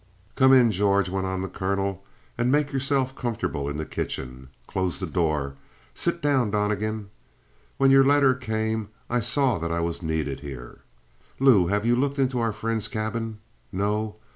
"Come in, George," went on the colonel, "and make yourself comfortable in the kitchen. Close the door. Sit down, Donnegan. When your letter came I saw that I was needed here. Lou, have you looked into our friend's cabin? No?